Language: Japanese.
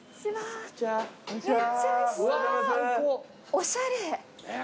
おしゃれ。